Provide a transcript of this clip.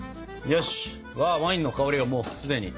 よしワインの香りがもうすでに。